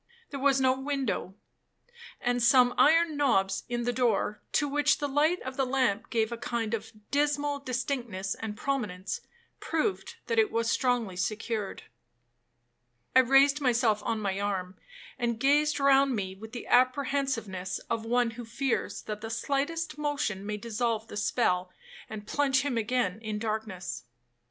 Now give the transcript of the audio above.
There was no window; and some iron knobs in the door, to which the light of the lamp gave a kind of dismal distinctness and prominence, proved that it was strongly secured. I raised myself on my arm, and gazed round me with the apprehensiveness of one who fears that the slightest motion may dissolve the spell, and plunge him again in darkness.